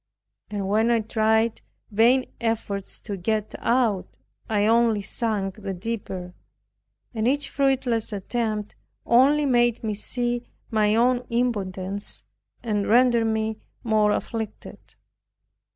And when I tried vain efforts to get out, I only sunk the deeper, and each fruitless attempt only made me see my own impotence, and rendered me more afflicted.